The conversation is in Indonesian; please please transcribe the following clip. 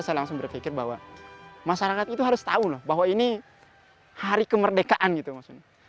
saya langsung berpikir bahwa masyarakat itu harus tahu bahwa ini hari kemerdekaan